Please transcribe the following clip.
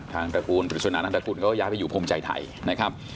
ตระกูลปริศนานันตกุลก็ย้ายไปอยู่ภูมิใจไทยนะครับ